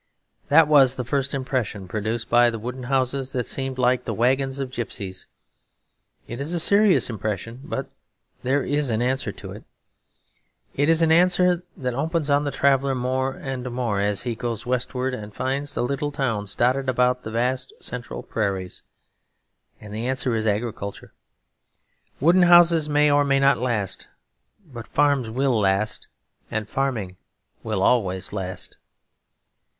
That was the first impression produced by the wooden houses that seemed like the waggons of gipsies; it is a serious impression, but there is an answer to it. It is an answer that opens on the traveller more and more as he goes westward, and finds the little towns dotted about the vast central prairies. And the answer is agriculture. Wooden houses may or may not last; but farms will last; and farming will always last.